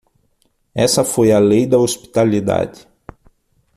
Essa foi a lei da hospitalidade.